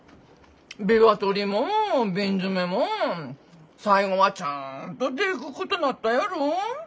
ビワ取りも瓶詰めも最後はちゃんとでくっことなったやろ。